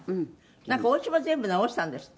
「なんかおうちも全部直したんですって？」